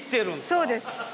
そうです。